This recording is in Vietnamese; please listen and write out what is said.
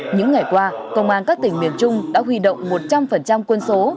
những ngày qua công an các tỉnh miền trung đã huy động một trăm linh quân số